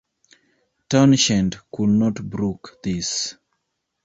Townshend could not brook this.